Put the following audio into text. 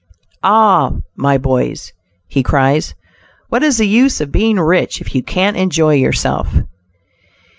"Ah! my boys," he cries, "what is the use of being rich, if you can't enjoy yourself?"